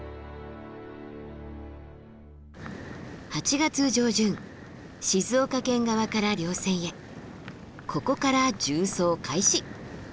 ８月上旬静岡県側から稜線へここから縦走開始。